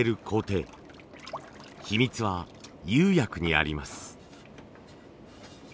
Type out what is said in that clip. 秘密は釉薬にあります。